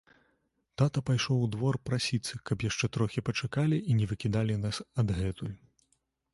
Тата пайшоў у двор прасіцца, каб яшчэ трохі пачакалі і не выкідалі нас адгэтуль.